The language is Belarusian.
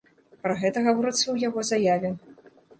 Пра гэта гаворыцца ў яго заяве.